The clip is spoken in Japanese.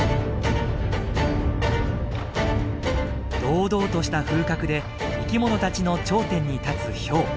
堂々とした風格で生きものたちの頂点に立つヒョウ。